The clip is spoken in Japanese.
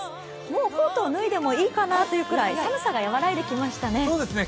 もうコートを脱いでもいいかなというぐらい、寒さが和らいできましたね。